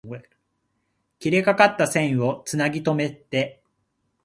切れかかった線を繋ぎとめて